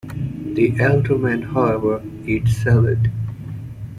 The Alderman, however, eats salad.